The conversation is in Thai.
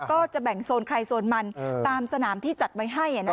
ก็จะแบ่งโซนใครโซนมันตามสนามที่จัดไว้ให้